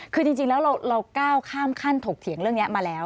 คือจริงแล้วเราก้าวข้ามขั้นถกเถียงเรื่องนี้มาแล้ว